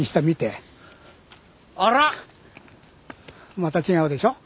また違うでしょ？